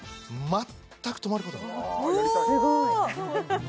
全く止まることがないうお！